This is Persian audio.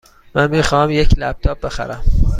من می خواهم یک لپ تاپ بخرم.